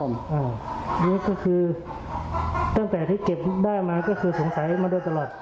อันนี้ก็คือตั้งแต่ที่เก็บได้มาก็คือสงสัยมาโดยตลอด